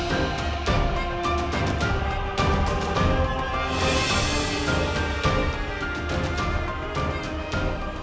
apa bisa membuat rena jadi lebih bahagia